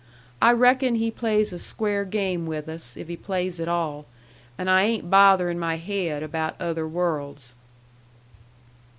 I reckon He plays a square game with us if He plays at all, and I ain't bothering my haid about other worlds."